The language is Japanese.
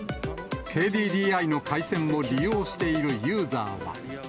ＫＤＤＩの回線を利用しているユーザーは。